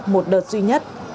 một đợt duy nhất